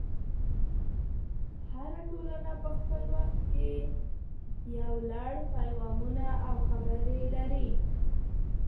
هره ټولنه په خپل وخت کې یو لړ پیغامونه او خبرې لري.